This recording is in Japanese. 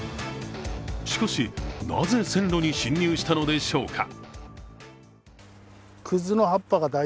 しかし、なぜ線路に侵入したのでしょうか。